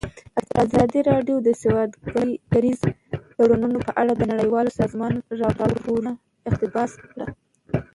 ازادي راډیو د سوداګریز تړونونه په اړه د نړیوالو سازمانونو راپورونه اقتباس کړي.